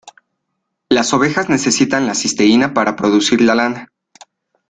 Las ovejas necesitan la cisteína para producir la lana.